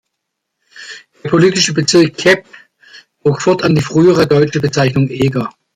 Der politische Bezirk Cheb trug fortan die frühere deutsche Bezeichnung Eger.